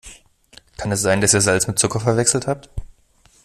Kann es sein, dass ihr Salz mit Zucker verwechselt habt?